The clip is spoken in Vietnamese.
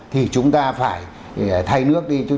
thì chúng ta phải thay nước đi